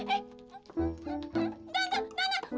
enggak enggak enggak